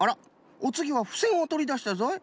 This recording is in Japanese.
おつぎはふせんをとりだしたぞい。